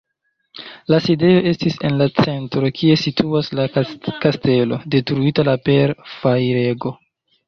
La sidejo estis en la centro, kie situis la kastelo, detruita la per fajrego.